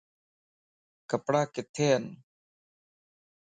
ڪپڙا ڪٿي ان